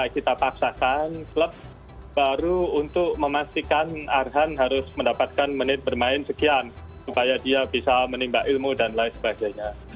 kita paksakan klub baru untuk memastikan arhan harus mendapatkan menit bermain sekian supaya dia bisa menimba ilmu dan lain sebagainya